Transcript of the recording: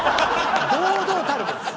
堂々たるです。